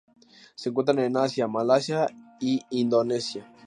Se encuentran en Asia: Malasia y Indonesia.